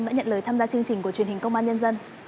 đã nhận lời tham gia chương trình của truyền hình công an nhân dân